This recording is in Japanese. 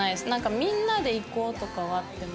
みんなで行こうとかはあっても。